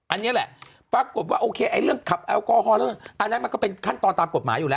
อันนี้แหละปรากฏว่าโอเคไอ้เรื่องขับแอลกอฮอลเรื่องอันนั้นมันก็เป็นขั้นตอนตามกฎหมายอยู่แล้ว